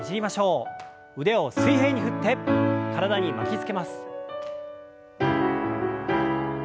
腕を水平に振って体に巻きつけます。